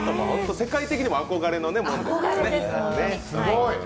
世界的にも憧れのものですからね。